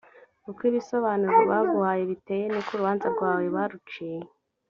uko ibisobanuro baguhaye biteye n’iko urubanza rwawe baruciye,